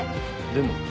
でも。